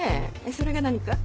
それが何か？